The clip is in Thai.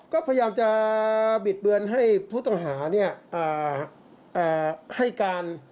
ก็พยายามจะบิดเบือนให้ผู้ต้องหาให้การ